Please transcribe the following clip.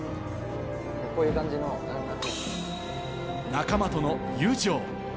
仲間との友情。